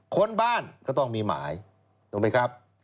คนบ้านก็ต้องมีหมายถูกไหมครับ